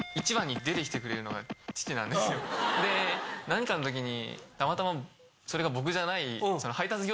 で何かの時にたまたまそれが僕じゃない。